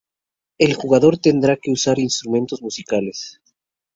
El jugador tendrá que usar instrumentos musicales.